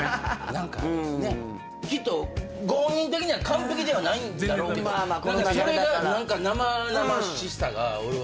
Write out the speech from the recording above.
何かねきっとご本人的には完璧ではないんだろうけどそれが生々しさが俺はすごくよかったな。